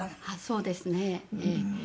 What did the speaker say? そうですねええ。